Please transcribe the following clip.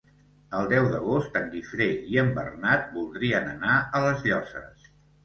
El deu d'agost en Guifré i en Bernat voldrien anar a les Llosses.